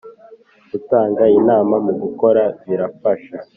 Gutanga inama mu gukora birafasha.